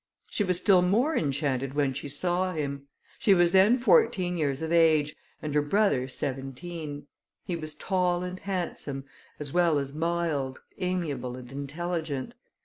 She was still more enchanted when she saw him. She was then fourteen years of age, and her brother seventeen; he was tall and handsome, as well as mild, amiable, and intelligent.